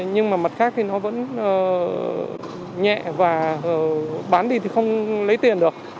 nhưng mà mặt khác thì nó vẫn nhẹ và bán đi thì không lấy tiền được